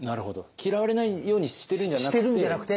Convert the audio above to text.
嫌われないようにしてるんじゃなくて。